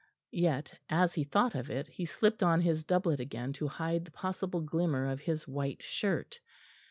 Yet, as he thought of it, he slipped on his doublet again to hide the possible glimmer of his white shirt.